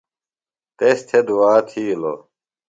تس تھےۡ دعا تھِیلو۔